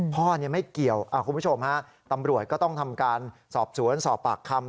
พ่อไม่เกี่ยวคุณผู้ชมฮะตำรวจก็ต้องทำการสอบสวนสอบปากคำ